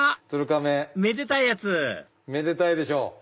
めでたいやつめでたいでしょ。